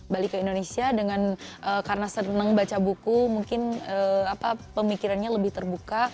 balik ke indonesia dengan karena seneng baca buku mungkin pemikirannya lebih terbuka